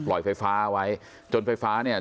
ปล่อยไฟฟ้าเอาไว้จนไฟฟ้าเนี้ย